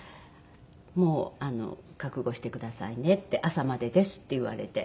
「もう覚悟してくださいね」って「朝までです」って言われて。